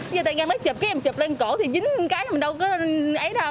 dơ tay ngang mới chụp cái em chụp lên cổ thì dính cái mà đâu có ấy đâu